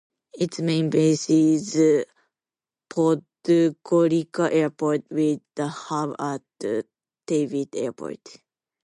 Its main base is Podgorica Airport, with a hub at Tivat Airport.